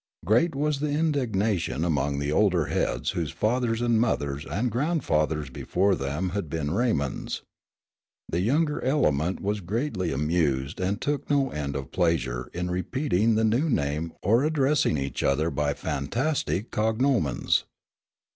Great was the indignation among the older heads whose fathers and mothers and grandfathers before them had been Raymonds. The younger element was greatly amused and took no end of pleasure in repeating the new name or addressing each other by fantastic cognomens.